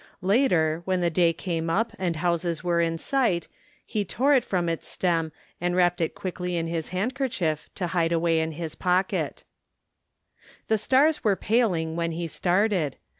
Later, when the day came up and houses were in sight, he tore it from its stem and wrapped it quickly in his handkerchief to hide away in his pocket. 124 THE FINDING OF JASPER HOLT The stars were paling when he started.